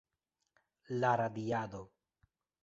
La radiado.